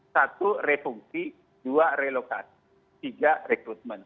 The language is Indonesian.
satu refungsi dua relokasi tiga rekrutmen